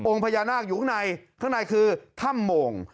พญานาคอยู่ข้างในข้างในคือถ้ำโมง